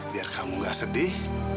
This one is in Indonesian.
biar kamu nggak sedih